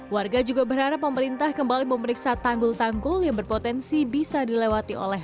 warga juga berharap pemerintah kembali memeriksa tanggul tanggul yang berpotensi bisa dilewati oleh